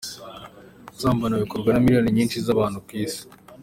Gusambana bikorwa na miliyoni nyinshi z’abantu ku isi.